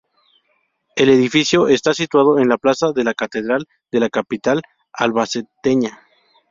El edificio está situado en la plaza de la Catedral de la capital albaceteña.